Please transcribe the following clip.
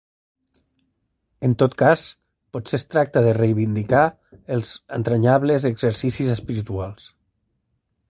En tot cas, potser es tracta de reivindicar els entranyables exercicis espirituals.